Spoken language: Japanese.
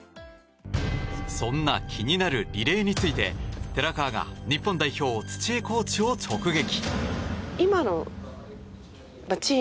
そんな気になるリレーについて寺川が日本代表土江コーチを直撃。